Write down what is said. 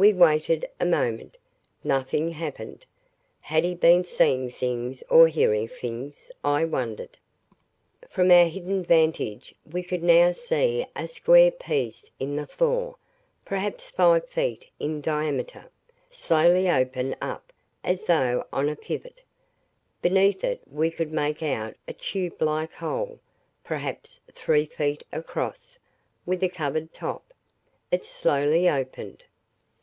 We waited a moment. Nothing happened. Had he been seeing things or hearing things, I wondered? From our hidden vantage we could now see a square piece in the floor, perhaps five feet in diameter, slowly open up as though on a pivot. Beneath it we could make out a tube like hole, perhaps three feet across, with a covered top. It slowly opened.